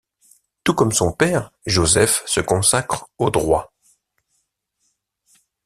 Tout comme son père, Joseph se consacre au droit.